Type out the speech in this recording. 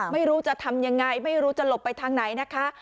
ไม่รู้จะทำยังไงไม่รู้จะหลบไปทางไหนนะคะ